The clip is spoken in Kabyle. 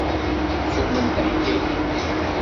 Tumen taḥkayt-nni.